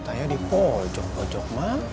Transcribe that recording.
saya di pojok pojok mah